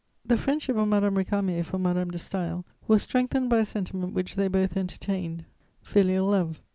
"The friendship of Madame Récamier for Madame de Staël was strengthened by a sentiment which they both entertained: filial love.